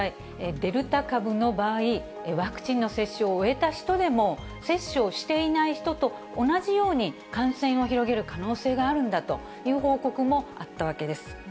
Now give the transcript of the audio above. デルタ株の場合、ワクチンの接種を終えた人でも、接種をしていない人と同じように、感染を広げる可能性があるんだという報告もあったわけです。